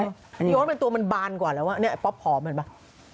อีโอ๊บเป็นตัวมันบานกว่าแล้วอันนี้โล๊ดผอมเหมือนมา